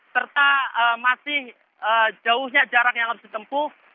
serta masih jauhnya jarak yang harus ditempuh